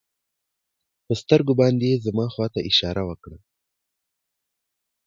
په سترګو باندې يې زما خوا ته اشاره وکړه.